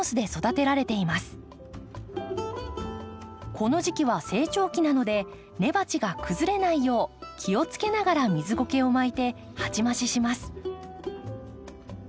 この時期は成長期なので根鉢が崩れないよう気をつけながら水ゴケを巻いて鉢増しします。